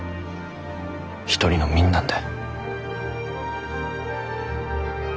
一人の民なんだ。